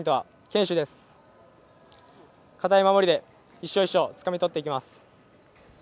堅い守りで１勝１勝つかみ取っていきます。